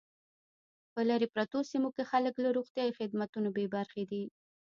په لري پرتو سیمو کې خلک له روغتیايي خدمتونو بې برخې دي